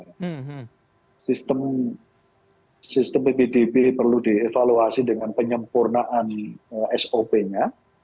karena sistem ppdb perlu dievaluasi dengan penyempurnaan sop nya